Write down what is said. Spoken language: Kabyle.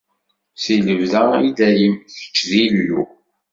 Si lebda, i dayem, kečč d Illu.